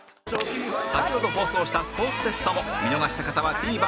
先ほど放送したスポーツテストも見逃した方は ＴＶｅｒ などで配信中